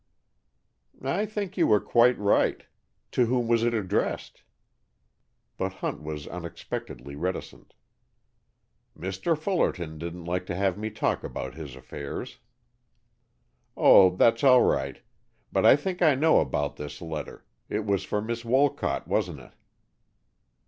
"I think you were quite right. To whom was it addressed?" But Hunt was unexpectedly reticent. "Mr. Fullerton didn't like to have me talk about his affairs." "Oh, that's all right. But I think I know about this letter. It was for Miss Wolcott, wasn't it?"